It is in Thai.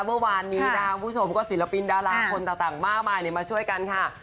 เมื่อวานนี้นะคะคุณผู้ชมก็ศิลปินดาราคนต่างมากมายมาช่วยกันค่ะ